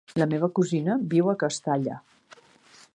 La meva cosina viu a Castalla.